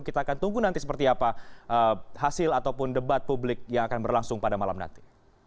kita akan tunggu nanti seperti apa hasil ataupun debat publik yang akan berlangsung pada malam nanti